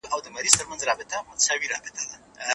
ته باید په خپل وطن کي د نېکمرغۍ په لټه کي شې.